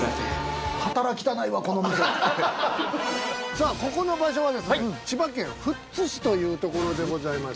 さあここの場所はですね千葉県富津市というところでございます